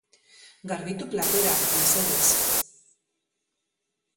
Garbitu platerak, mesedez.